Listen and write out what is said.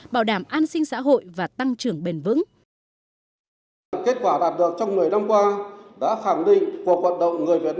bảo đảm an sinh xã hội và tăng trưởng bền vững